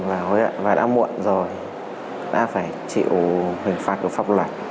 và đã muộn rồi đã phải chịu hình phạt của pháp luật